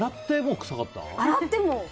洗っても。